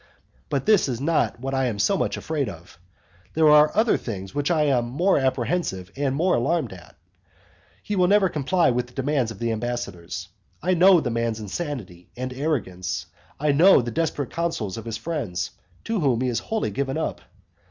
But this is not what I am so much afraid of. There are other things which I am more apprehensive of and more alarmed at. He never will comply with the demands of the ambassadors. I know the man's insanity and arrogance; I know the desperate counsels of his friends, to which he is wholly given up.